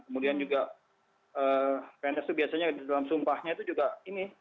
kemudian juga pns itu biasanya di dalam sumpahnya itu juga ini